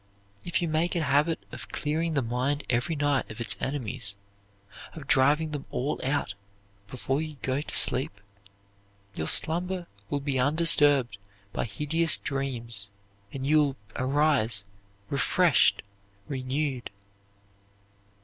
If you make a habit of clearing the mind every night of its enemies, of driving them all out before you go to sleep, your slumber will be undisturbed by hideous dreams and you will rise refreshed, renewed.